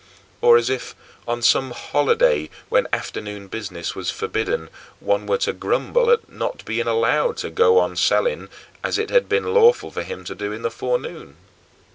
Or as if, on some holiday when afternoon business was forbidden, one were to grumble at not being allowed to go on selling as it had been lawful for him to do in the forenoon.